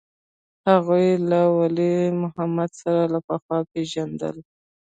هغوى له ولي محمد سره له پخوا پېژندل.